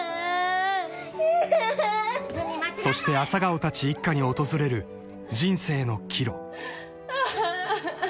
［そして朝顔たち一家に訪れる人生の岐路］